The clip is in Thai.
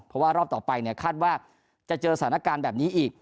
เพราะว่ารอบต่อไปเนี่ยคาดว่าจะเจอสถานการณ์แบบนี้อีก